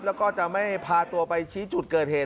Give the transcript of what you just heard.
แล้วก็จะไม่พาตัวไปชี้จุดเกิดเหตุ